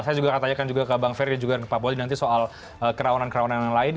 saya juga akan tanyakan juga ke bang ferry dan juga pak boy nanti soal kerawanan kerawanan lain